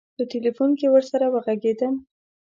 په تیلفون کې ورسره وږغېدم.